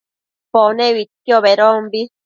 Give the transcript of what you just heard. Pone uidquio bedombi